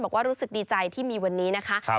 รู้สึกดีใจที่มีวันนี้นะคะ